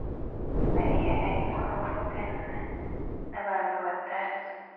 Mariya arimo avugana nabantu batazi